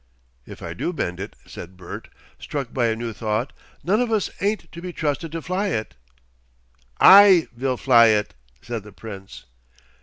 "If I do mend it," said Bert, struck by a new thought, "none of us ain't to be trusted to fly it." "I vill fly it," said the Prince.